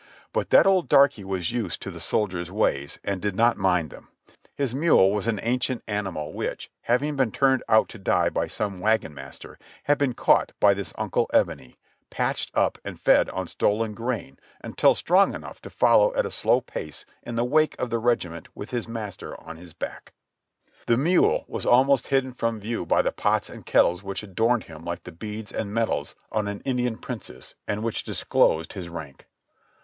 But that old darky was used to the soldier's ways and did not mind them ; his mule was an ancient animal which, having been turned out to die by some wagon master, had been caught by this Uncle Ebony, patched up and fed on stolen grain until strong enough to follow at a slow pace in the wake of the regi ment with his master on his back; the mule was almost hidden INTO MARYLAND 2/3 from view by the pots and kettles which adorned him Hke the beads and medals on an Indian princess, and which disclosed his rank.